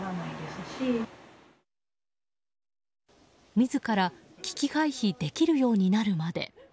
自ら危機回避できるようになるまで。